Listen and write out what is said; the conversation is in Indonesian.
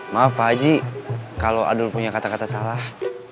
maaf pak haji kalau adul punya kata kata salah